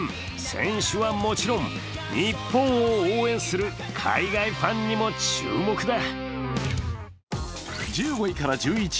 選手はもちろん、日本を応援する海外ファンにも注目だ。